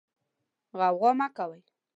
غوغا مه کوئ.